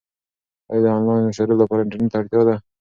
ایا د انلاین مشاعرو لپاره انټرنیټ ته اړتیا ده؟